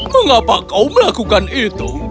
mengapa kau melakukan itu